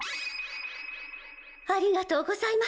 ありがとうございます。